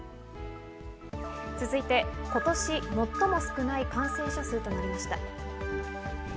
続いて、今年最も少ない感染者数となりました。